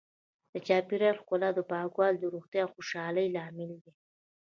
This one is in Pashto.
د چاپیریال ښکلا او پاکوالی د روغتیا او خوشحالۍ لامل دی.